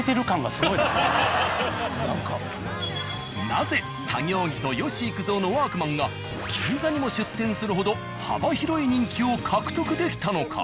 なぜ作業着と吉幾三の「ワークマン」が銀座にも出店するほど幅広い人気を獲得できたのか？